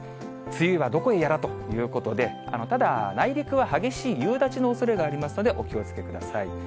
梅雨はどこへやらということで、ただ、内陸は激しい夕立のおそれがありますので、お気をつけください。